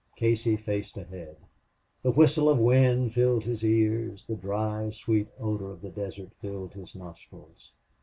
Casey faced ahead. The whistle of wind filled his ears, the dry, sweet odor of the desert filled his nostrils.